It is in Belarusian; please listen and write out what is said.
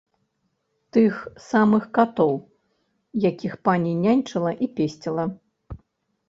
Тых самых катоў, якіх пані няньчыла і песціла.